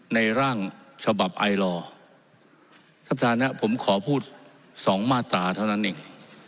ในร่างฉบับไอรอสัปดาห์เนี้ยผมขอพูด๒มาตราเท่านั้นเอง